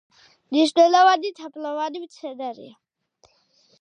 მნიშვნელოვანი თაფლოვანი მცენარეა.